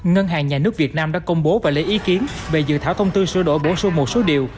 ngân hàng nhà nước việt nam đã công bố và lấy ý kiến về dự thảo thông tư sửa đổi bổ sung một số điều